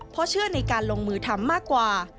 เพราะเชื่อในการลงมือทำมากกว่า